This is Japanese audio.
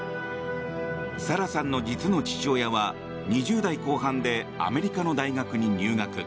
サラさんの実の父親は２０代後半でアメリカの大学に入学。